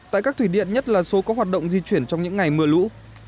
tại các thủy điện nhất là số có hoạt động di chuyển trong những ngày mưa lũ